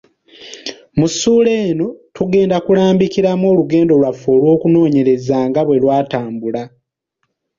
Mu ssuula eno tugenda kulambikiramu olugendo lwaffe olw’okunoonyereza nga bwe lwatambula.